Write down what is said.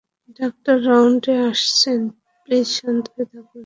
Doctor রাউন্ডে আসছেন, please শান্ত হয়ে থাকুন।